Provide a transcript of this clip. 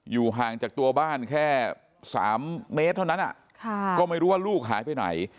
ห่างจากตัวบ้านแค่๓เมตรเท่านั้นก็ไม่รู้ว่าลูกหายไปไหน